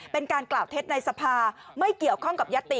เป็นการกล่าวเท็จในสภาไม่เกี่ยวข้องกับยัตติ